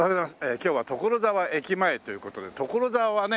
今日は所沢駅前という事で所沢はね